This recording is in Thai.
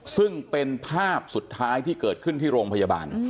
ซึ่งเป็นภาพสุดท้ายที่เกิดขึ้นที่โรงพยาบาล